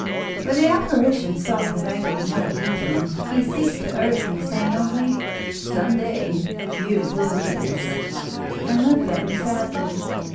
"When the apparition saw that I gave no heed to him he ceased to urge me, saying only: 'Some day you will rue this,' and looked at me sadly.